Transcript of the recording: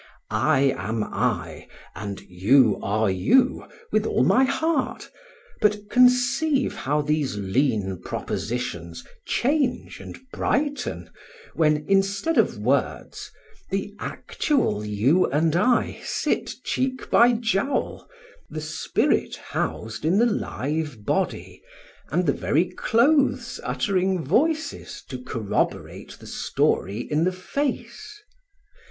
I am I, and You are You, with all my heart; but conceive how these lean propositions change and brighten when, instead of words, the actual you and I sit cheek by jowl, the spirit housed in the live body, and the very clothes uttering voices to corroborate the story in the face.